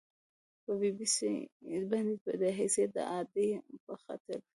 په بي بي سي باندې به د حیثیت د اعادې په خاطر